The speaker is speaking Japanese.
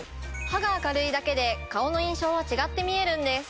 歯が明るいだけで顔の印象は違って見えるんです。